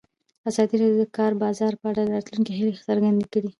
ازادي راډیو د د کار بازار په اړه د راتلونکي هیلې څرګندې کړې.